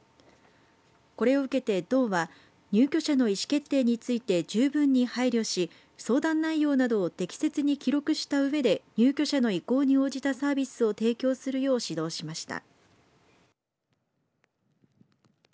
これを受けて道は入居者の意思決定について十分に配慮し相談内容などを適切に記録したうえで入居者の意向に応じたサービスを提供するよう指導しました。